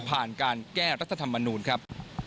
ผ่านการแก้รัฐธรรมนูนครับ